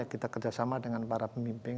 kita kerjasama dengan para pemimpin